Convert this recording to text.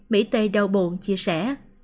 mỹ t đau buồn chia sẻ